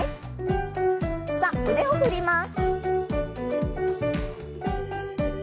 さあ腕を振ります。